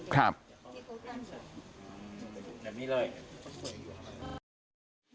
ครับ